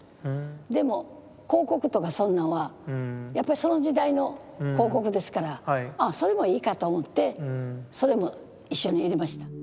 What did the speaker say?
でも広告とかそんなんはやっぱりその時代の広告ですからああそれもいいかと思ってそれも一緒に入れました。